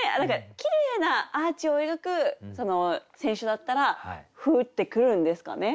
きれいなアーチを描く選手だったら降ってくるんですかね。